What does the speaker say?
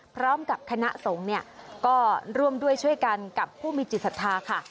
พร้อมกับคณะสงฆ์ก็รวมด้วยช่วยกันกับผู้มีจิตศัตริย์ค่ะ